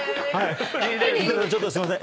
ちょっとすいません。